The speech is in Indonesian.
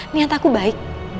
niat aku baik